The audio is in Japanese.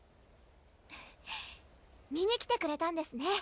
見に来てくれたんですね